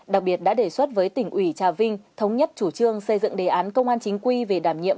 đặc biệt đã đề xuất với tỉnh ủy trà vinh thống nhất chủ trương xây dựng đề án công an chính quy về đảm nhiệm